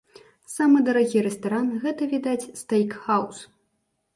Самы дарагі рэстаран гэта, відаць, стэйк-хаус.